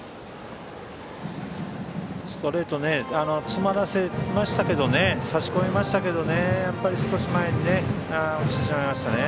ストレートを詰まらせましたけど差し込みましたけど少し前に落ちてしまいましたね。